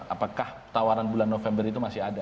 apakah tawaran bulan november itu masih ada